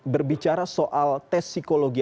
berbicara soal tes psikologi